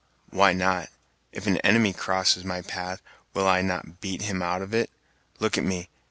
"Why not! If an enemy crosses my path, will I not beat him out of it! Look at me!